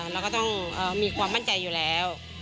เราก็ต้องมีความมั่นใจอยู่แล้ว